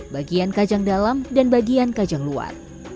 bagian kajang dalam dan bagian kajang luar